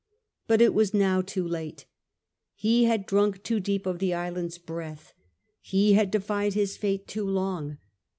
But it was now too late. He had drunk too deep of the island's breatL He had defied his fate too long.